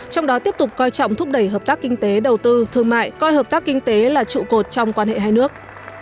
trong đó tiếp tục coi trọng thúc đẩy hợp tác kinh tế đầu tư thương mại coi hợp tác kinh tế là trụ cột trong quan hệ hai nước